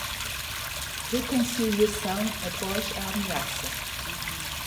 Reconciliação após a ameaça